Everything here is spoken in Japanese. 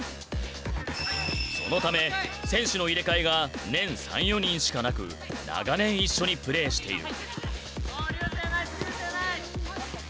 そのため選手の入れ替えが年３４人しかなく長年一緒にプレーしている。